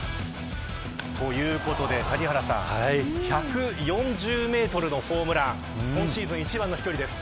ということで、谷原さん１４０メートルのホームラン今シーズン一番の飛距離です。